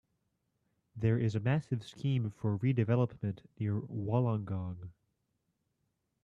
There is a massive scheme for redevelopment near Wollongong.